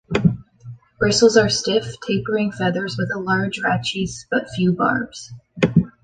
Bristles are stiff, tapering feathers with a large rachis but few barbs.